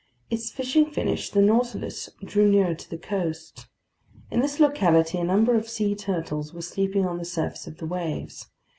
Its fishing finished, the Nautilus drew nearer to the coast. In this locality a number of sea turtles were sleeping on the surface of the waves.